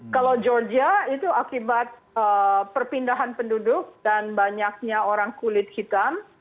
kalau georgia itu akibat perpindahan penduduk dan banyaknya orang kulit hitam